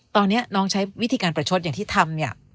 ตอนนี้น้องใช้วิธีการประชดอย่างที่ทำเนี่ย